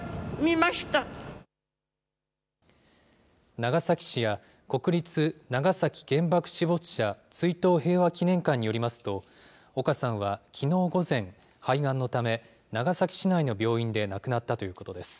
長崎市や国立長崎原爆死没者追悼平和祈念館によりますと、岡さんはきのう午前、肺がんのため、長崎市内の病院で亡くなったということです。